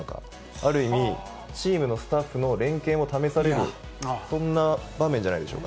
ある意味、チームのスタッフの連係も試される、そんな場面じゃないでしょう